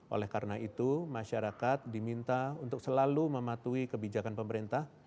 oleh karena itu masyarakat diminta untuk selalu mematuhi kebijakan pemerintah